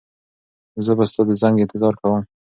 زه به ستا د زنګ انتظار کوم.